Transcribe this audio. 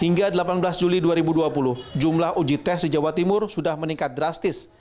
hingga delapan belas juli dua ribu dua puluh jumlah uji tes di jawa timur sudah meningkat drastis